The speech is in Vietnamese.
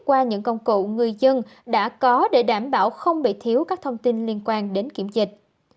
qua những công cụ người dân đã có để đảm bảo không bị thiếu các thông tin liên quan đến kiểm dịch